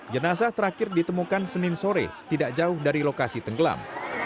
jenazah terakhir ditemukan senin sore tidak jauh dari lokasi tenggelam